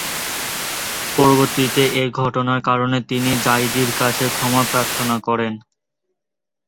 পরবর্তীতে এ ঘটনার কারণে তিনি জাইদি’র কাছে ক্ষমা প্রার্থনা করেন।